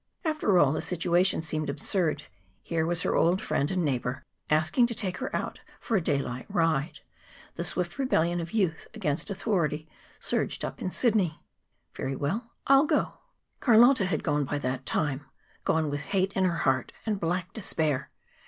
After all, the situation seemed absurd. Here was her old friend and neighbor asking to take her out for a daylight ride. The swift rebellion of youth against authority surged up in Sidney. "Very well; I'll go." Carlotta had gone by that time gone with hate in her heart and black despair.